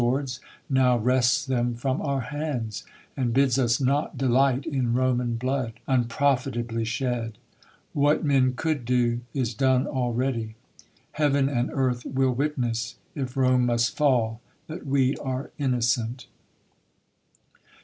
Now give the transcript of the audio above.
ords, now wrests them from our hands, And bids us not delight in Roman blood, Unprofitably shed, ^Vhat men could do, . Is done already. Heav'n and earth will witness. If Rome must fall, that we are innocent.